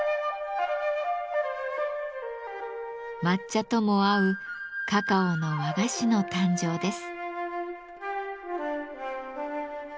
抹茶とも合うカカオの和菓子の誕生です。